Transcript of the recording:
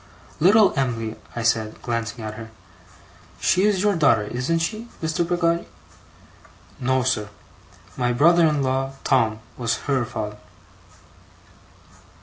'Little Em'ly,' I said, glancing at her. 'She is your daughter, isn't she, Mr. Peggotty?' 'No, sir. My brother in law, Tom, was her father.